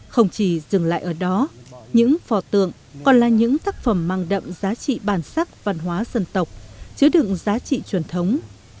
không chỉ dừng lại ở đó những phò tượng còn là những tác phẩm mang đậm giá trị bản sắc văn hóa dân tộc chứa đựng giá trị truyền thống